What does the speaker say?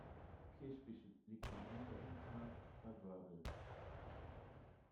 Kirchbichl liegt im Unterinntal bei Wörgl.